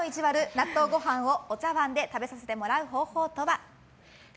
納豆ご飯をお茶わんで食べさせてもらう方法とは？